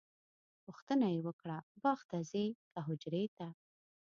پوښتنه یې وکړه باغ ته ځئ که حجرې ته؟